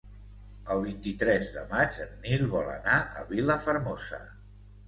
El vint-i-tres de maig en Nil vol anar a Vilafermosa.